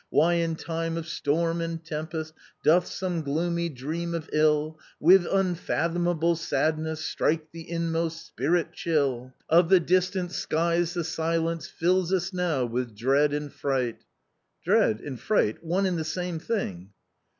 " Why in time of storm and tempest Doth some gloomy dream of ill, With unfathomable sadness Strike the inmost spirit chill. " Of the distant skies the silence Fills us now with dread and fright j» "' Dread' and ' fright* one and the same thing."